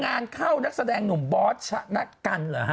งานเข้านักแสดงหนุ่มบอสชั้นกัน